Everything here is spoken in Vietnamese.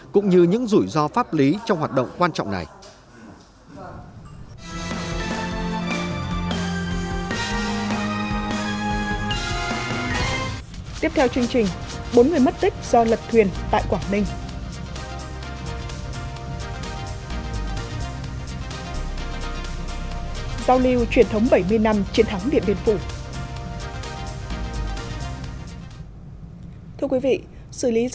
cũng như những rủi ro pháp lý trong hoạt động quan trọng này